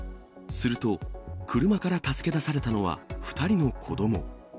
すると、車から助け出されたのは、２人の子ども。